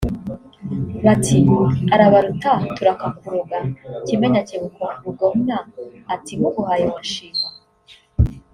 ” Bati” Arabaruta turakakuroga” Kimenyi akebuka Rugomwa ati “Muguhaye wanshima